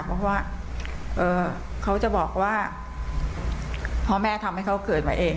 เพราะว่าเขาจะบอกว่าพ่อแม่ทำให้เขาเกิดมาเอง